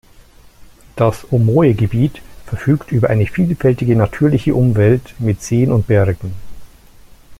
Das Omoe-Gebiet verfügt über eine vielfältige natürliche Umwelt mit Seen und Bergen.